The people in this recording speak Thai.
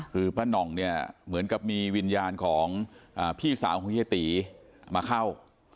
คือป้าน่องเนี่ยเหมือนกับมีวิญญาณของพี่สาวของเฮียตีมาเข้า